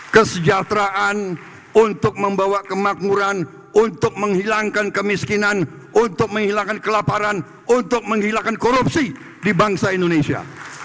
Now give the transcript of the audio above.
kesejahteraan untuk membawa kemakmuran untuk menghilangkan kemiskinan untuk menghilangkan kelaparan untuk menghilangkan korupsi di bangsa indonesia